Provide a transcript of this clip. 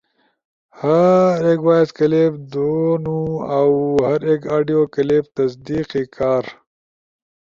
ہر ایک وائس کلپ دونوا، اؤ ہر ایک آڈیو کلپ تصدیقی کار